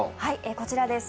こちらです。